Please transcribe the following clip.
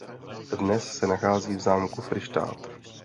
Dnes se nachází v zámku Fryštát.